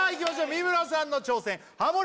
三村さんの挑戦ハモリ